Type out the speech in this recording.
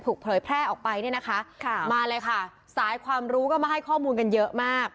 เผยแพร่ออกไปเนี่ยนะคะค่ะมาเลยค่ะสายความรู้ก็มาให้ข้อมูลกันเยอะมาก